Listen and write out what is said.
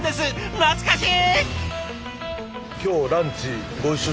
懐かしい！